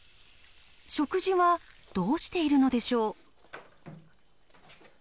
食事はどうしているのでしょう？